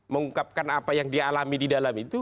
mengungkapkan apa yang dia alami di dalam itu